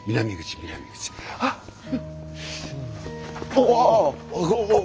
おお。